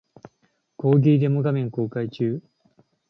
講義デモ画面公開中